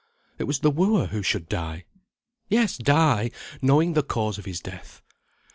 It was the wooer who should die. Yes, die, knowing the cause of his death.